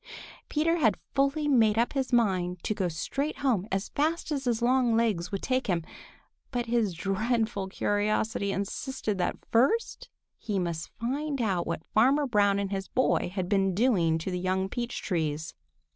Peter had fully made up his mind to go straight home as fast as his long legs would take him, but his dreadful curiosity insisted that first he must find out what Farmer Brown and his boy had been doing to the young peach trees.